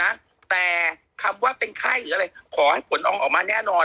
นะแต่คำว่าเป็นไข้หรืออะไรขอให้ผลออกมาแน่นอน